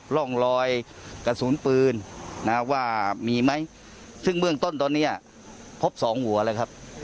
ร่องรอยกระสุนปืนนะว่ามีไหมซึ่งเบื้องต้นตอนนี้พบสองหัวแล้วครับ